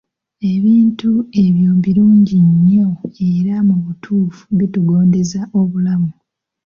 Ebintu ebyo birungi nnyo era mu butuufu bitugonzeza obulamu.